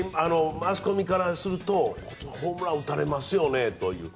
マスコミからするとホームランを打たれますよねという。